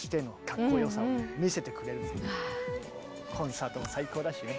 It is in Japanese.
コンサートも最高だしね。